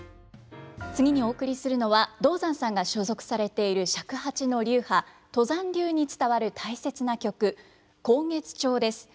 次にお送りするのは道山さんが所属されている尺八の流派都山流に伝わる大切な曲「慷月調」です。